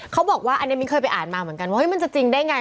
เขาบอกว่าอันนี้มิ้นเคยไปอ่านมาเหมือนกันว่ามันจะจริงได้ไง